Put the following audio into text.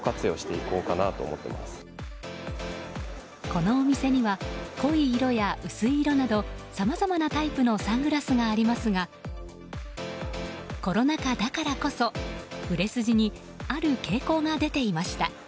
このお店には濃い色や薄い色などさまざまなタイプのサングラスがありますがコロナ禍だからこそ、売れ筋にある傾向が出ていました。